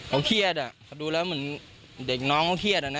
เขาเครียดอ่ะเขาดูแล้วเหมือนเด็กน้องเขาเครียดอะนะ